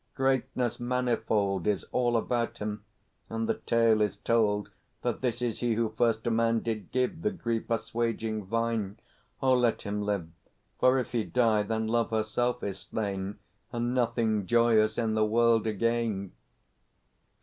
Greatness manifold Is all about him; and the tale is told That this is he who first to man did give The grief assuaging vine. Oh, let him live; For if he die, then Love herself is slain, And nothing joyous in the world again!